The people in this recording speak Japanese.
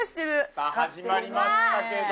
さあ始まりましたけど。